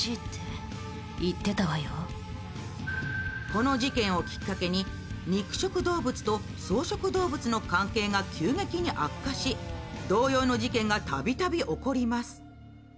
この事件をきっかけに肉食動物と草食動物の関係が急激に悪化し、同様の事件が度々起こります。